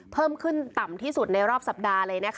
เพิ่มขึ้นต่ำที่สุดในรอบสัปดาห์เลยนะคะ